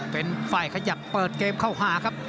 เป็นฝ่ายขยับเปิดเกมเข้าหาครับ